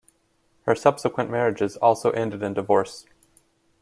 Her subsequent marriages also ended in divorce.